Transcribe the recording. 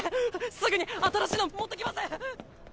すぐに新しいの持ってきます！